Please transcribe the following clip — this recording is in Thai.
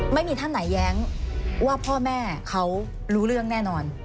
ไม่มีท่านไหนแย้งว่าพ่อแม่เขารู้เรื่องแน่นอน